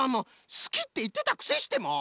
すきっていってたくせしてもう！